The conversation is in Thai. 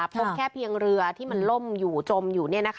พบแค่เพียงเรือที่มันล่มอยู่จมอยู่